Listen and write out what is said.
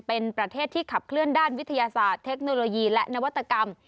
เป็นประเทศที่ขับเคลื่อนด้านวิทยาศาสตร์เทคโนโลยีและนวัตกรรม